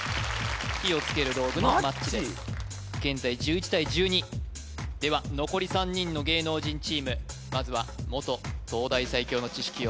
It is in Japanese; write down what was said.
火をつける道具のまっちです現在１１対１２では残り３人の芸能人チームまずは元東大最強の知識